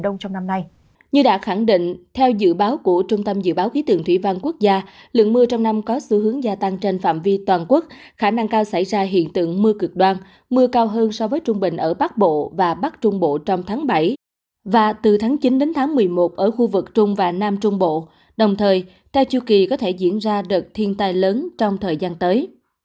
nhiều mưa trong năm có xu hướng gia tăng trên phạm vi toàn quốc khả năng cao xảy ra hiện tượng mưa cực đoan mưa cao hơn so với trung bình ở bắc bộ và bắc trung bộ trong tháng bảy và từ tháng chín đến tháng một mươi một ở khu vực trung và nam trung bộ đồng thời trai chiêu kỳ có thể diễn ra đợt thiên tai lớn trong thời gian tới